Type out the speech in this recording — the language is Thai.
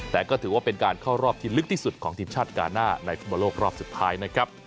แต่ก็ถือว่าเป็นการเข้ารอบที่ลึกที่สุดของทีมชาติกาหน้าในฟุตบอลโลกรอบสุดท้ายนะครับ